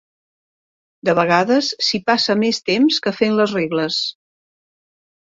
De vegades s'hi passa més temps que fent les regles.